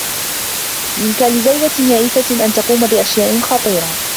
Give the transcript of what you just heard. بإمكان زوجة يائسة أن تقوم بأشياء خطيرة.